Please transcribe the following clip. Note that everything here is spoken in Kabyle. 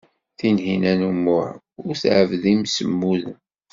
Tinhinan u Muḥ ur tɛebbed imsemmuden.